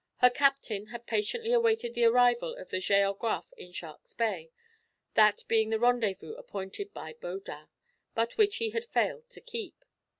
Her captain had patiently awaited the arrival of the Géographe in Shark's Bay, that being the rendezvous appointed by Baudin, but which he had failed to keep.